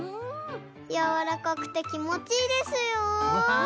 やわらかくてきもちいいですよ。